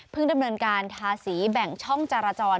ดำเนินการทาสีแบ่งช่องจราจร